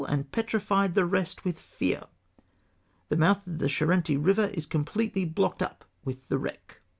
and 'petrified the rest luith fear. The mouth of the Charente river is com pletely blocked up with wreck.'